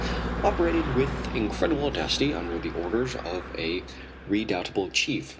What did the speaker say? operated with incredible audacity under the orders of a redoubtable chief.